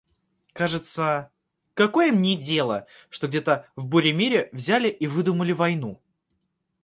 Кажется – какое мне дело, что где-то в буре-мире взяли и выдумали войну?